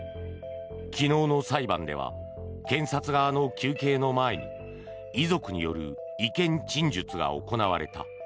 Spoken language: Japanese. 昨日の裁判では検察側の求刑の前に遺族による意見陳述が行われた。